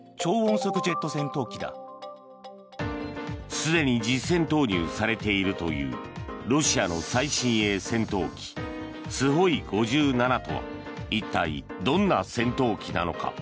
すでに実戦投入されているというロシアの最新鋭戦闘機スホイ５７とは一体、どんな戦闘機なのか。